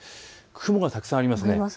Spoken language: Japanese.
雲がたくさんありますね。